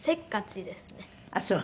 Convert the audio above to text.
ああそう。